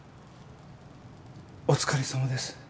お疲れさまです。